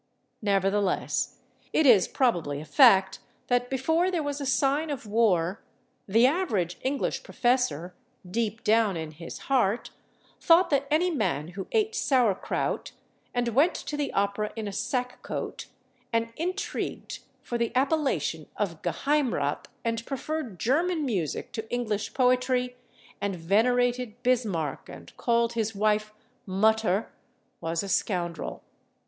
Nevertheless, it is probably a fact that before there was a sign of war the average English professor, deep down in his heart, thought that any man who ate sauerkraut, and went to the opera in a sack coat, and intrigued for the appellation of Geheimrat, and preferred German music to English poetry, and venerated Bismarck, and called his wife "Mutter," was a scoundrel.